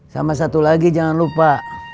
sama satu lagi jangan lupa